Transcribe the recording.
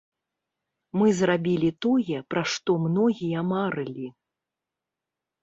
Мы зрабілі тое, пра што многія марылі.